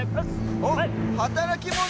おっはたらきモノ